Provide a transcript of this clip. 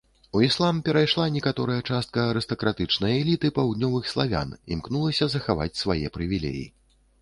У іслам перайшла некаторая частка арыстакратычнай эліты паўднёвых славян, імкнулася захаваць свае прывілеі.